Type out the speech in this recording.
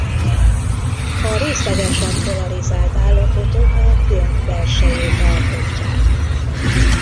A részlegesen polarizált állapotok a gömb belsejét alkotják.